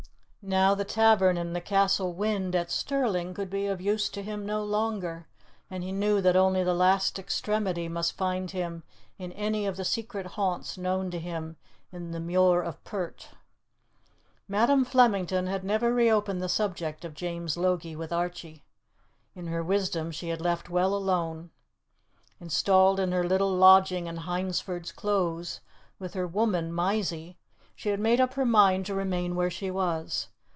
Now the tavern in the Castle Wynd at Stirling could be of use to him no longer, and he knew that only the last extremity must find him in any of the secret haunts known to him in the Muir of Pert. Madam Flemington had never reopened the subject of James Logie with Archie. In her wisdom she had left well alone. Installed in her little lodging in Hyndford's Close, with her woman Mysie, she had made up her mind to remain where she was.